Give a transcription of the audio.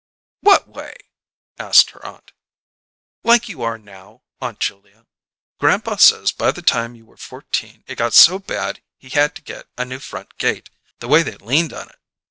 "What way?" asked her aunt. "Like you are now, Aunt Julia. Grandpa says by the time you were fourteen it got so bad he had to get a new front gate, the way they leaned on it.